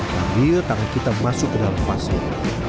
sambil tangan kita masuk ke dalam pasir